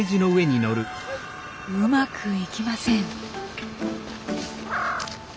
うまくいきません。